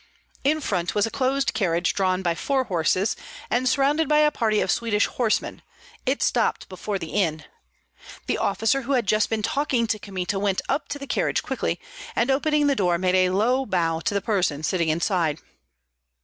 In front was a closed carriage drawn by four horses, and surrounded by a party of Swedish horsemen; it stopped before the inn. The officer who had just been talking to Kmita went up to the carriage quickly, and opening the door made a low bow to the person sitting inside.